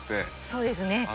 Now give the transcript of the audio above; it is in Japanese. そうですね。